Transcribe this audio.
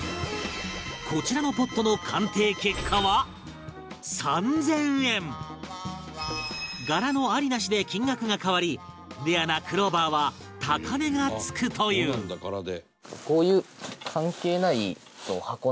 こちらのポットの鑑定結果は３０００円柄のあり、なしで金額が変わりレアなクローバーは高値が付くというこういう。